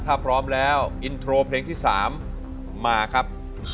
ถ้าพร้อมแล้วอินโทรเพลงที่๓มาครับ